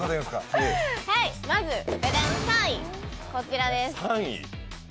まず３位、こちらです。